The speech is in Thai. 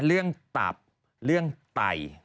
เรื่องตับเรื่องไต่